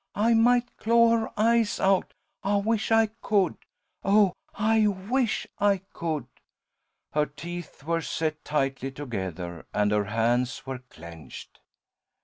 I might claw her eyes out. I wish I could! Oh, I wish I could!" Her teeth were set tightly together, and her hands were clenched.